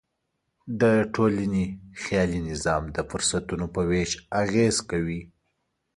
د ټولنې خیالي نظام د فرصتونو په وېش اغېز کوي.